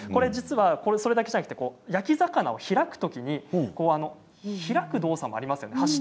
これをこれだけでなく焼き魚を開くときに箸で開く動作もありますよね。